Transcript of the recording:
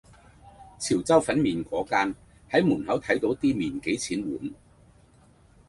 潮州粉麵果間係門口睇到啲麵幾錢碗